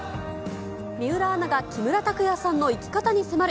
水卜アナが木村拓哉さんの生き方に迫る。